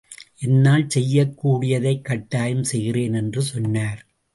என்னால் செய்யக் கூடியதைக் கட்டாயம் செய்கிறேன் என்று சொன்னார்.